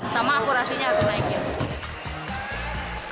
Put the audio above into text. sama akurasinya harus naikin